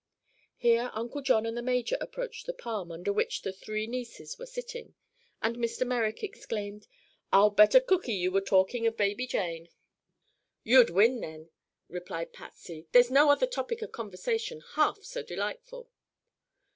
Here Uncle John and the major approached the palm, under which the three nieces were sitting, and Mr. Merrick exclaimed: "I'll bet a cookie you were talking of baby Jane." "You'd win, then," replied Patsy. "There's no other topic of conversation half so delightful."